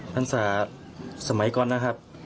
พรรษาสมัยก่อนนะครับ